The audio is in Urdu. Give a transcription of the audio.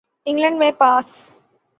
انگلینڈ میں پاکس